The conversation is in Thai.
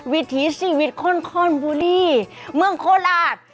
วิถีชีวิตคนคอนบุรีเมืองโคราช